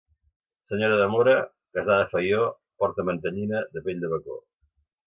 Senyora de Móra, casada a Faió, porta mantellina de pell de bacó.